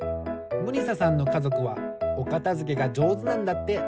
ムニサさんのかぞくはおかたづけがじょうずなんだって。